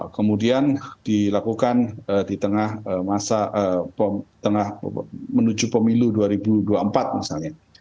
kemudian dilakukan di tengah masa tengah menuju pemilu dua ribu dua puluh empat misalnya